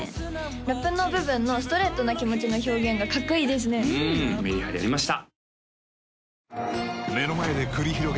ラップの部分のストレートな気持ちの表現がかっこいいですねうんメリハリありました